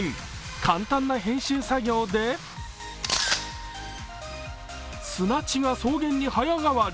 簡単な編集作業で、砂地が草原に早変わり。